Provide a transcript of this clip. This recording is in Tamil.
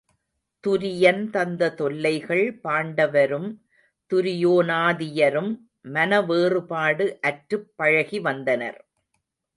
துரியன் தந்த தொல்லைகள் பாண்ட வரும் துரியோனாதியரும் மனவேறுபாடு அற்றுப்பழகி வந்தனர்.